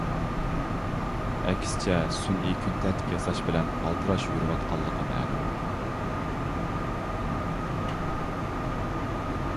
ئەكسىچە سۈنئىي كۈن تەرتىپ ياساش بىلەن ئالدىراش يۈرۈۋاتقانلىقى مەلۇم.